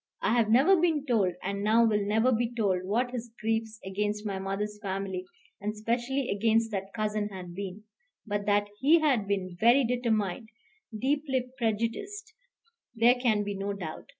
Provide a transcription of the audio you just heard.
I have never been told, and now will never be told, what his griefs against my mother's family, and specially against that cousin, had been; but that he had been very determined, deeply prejudiced, there can be no doubt.